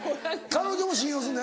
彼女も信用するの？